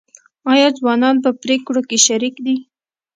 آیا ځوانان په پریکړو کې شریک دي؟